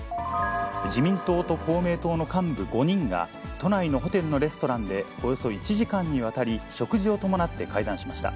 自民党と公明党の幹部５人が、都内のホテルのレストランで、およそ１時間にわたり、食事を伴って会談しました。